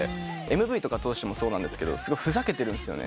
ＭＶとかもそうなんですけどすごいふざけてるんです。